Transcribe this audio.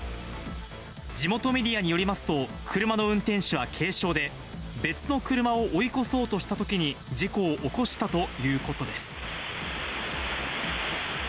地元メディアによりますと、車の運転手は軽傷で、別の車を追い越そうとしたときに事故を起こしたということです。